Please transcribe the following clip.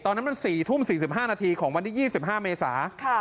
ตอนนั้นมัน๔ทุ่ม๔๕นาทีของวันที่๒๕เมษา